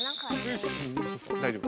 大丈夫。